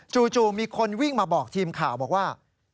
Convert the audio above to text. มีคนวิ่งมาบอกทีมข่าวบอกว่า